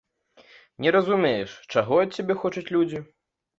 Не разумееш, чаго ад цябе хочуць людзі.